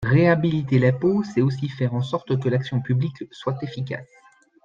Réhabiliter l’impôt, c’est aussi faire en sorte que l’action publique soit efficace.